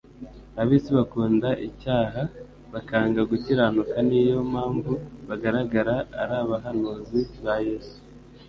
Ab'isi bakunda icyaha, bakanga gukiranuka niyo mpamvu bagaragara ari abahanuzi ba Yesu.